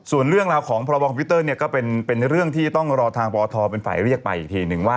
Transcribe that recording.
ส่วนเรื่องราวของพรบคอมพิวเตอร์เนี่ยก็เป็นเรื่องที่ต้องรอทางปทเป็นฝ่ายเรียกไปอีกทีนึงว่า